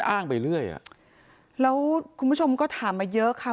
อ้างไปเรื่อยอ่ะแล้วคุณผู้ชมก็ถามมาเยอะค่ะ